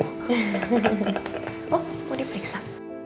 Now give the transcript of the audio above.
oh mau diperiksa